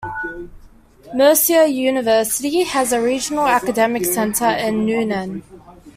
Mercer University has a Regional Academic Center in Newnan.